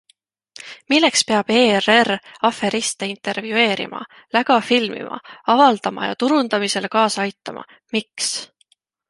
Milleks peab ERR aferiste intervjueerima, läga filmima, avaldama ja turundamisele kaasa aitama, miks?